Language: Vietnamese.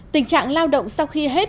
tình trạng lao động sau khi hết